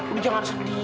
udah jangan sedih